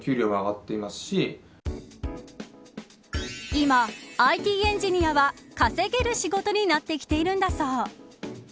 今、ＩＴエンジニアは稼げる仕事になってきているんだそう。